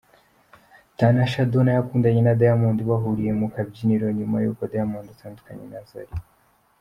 Tanasha Donna yakundanye na Diamond bahuriye mu kabyiniro nyuma y’ uko Diamond atandukanye Zari.